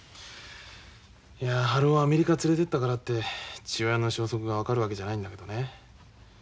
いや春男をアメリカへ連れていったからって父親の消息が分かるわけじゃないんだけどね。